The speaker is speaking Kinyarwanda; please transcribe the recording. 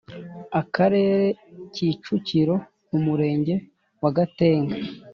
Akarere Kicukiro Umurenge wa Gatenga